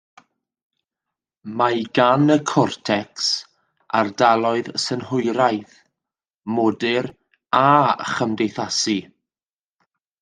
Mae gan y cortecs ardaloedd synhwyraidd, modur a chymdeithasu.